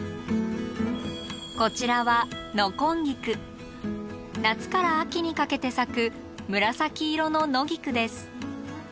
こちらは夏から秋にかけて咲く紫色の野菊です。